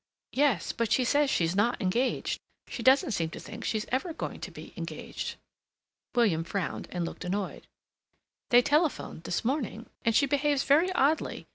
"Yes. But she says she's not engaged. She doesn't seem to think she's ever going to be engaged." William frowned, and looked annoyed. "They telephoned this morning, and she behaves very oddly.